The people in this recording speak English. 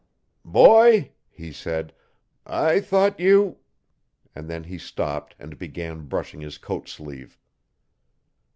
'Boy,' he said, 'I thought you...' and then he stopped and began brushing his coat sleeve.